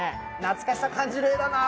懐かしさ感じる絵だな